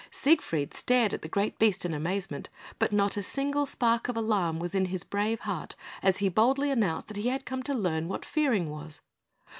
Siegfried stared at the great beast in amazement; but not a single spark of alarm was in his brave heart as he boldly announced that he had come to learn what fearing was.